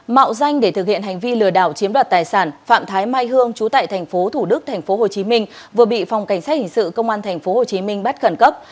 mạo danh để thực hiện hành vi lừa đảo chiếm đoạt tài sản phạm thái mai hương chú tại tp thủ đức tp hồ chí minh vừa bị phòng cảnh sát hình sự công an tp hồ chí minh bắt khẩn cấp